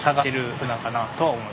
はい。